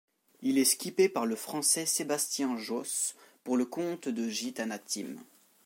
Il est skippé par le Français Sébastien Josse pour le compte de Gitana Team.